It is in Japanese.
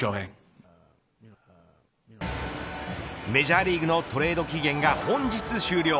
メジャーリーグのトレード期限が本日終了。